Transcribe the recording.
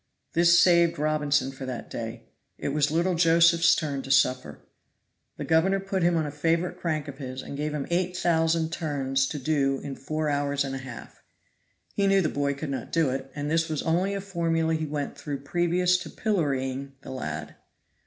This saved Robinson for that day. It was little Josephs' turn to suffer. The governor put him on a favorite crank of his, and gave him eight thousand turns to do in four hours and a half. He knew the boy could not do it, and this was only a formula he went through previous to pillorying the lad.